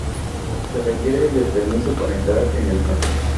Se requiere de permiso para entrar en el parque.